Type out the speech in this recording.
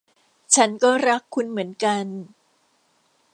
ฉันก็รักคุณเหมือนกัน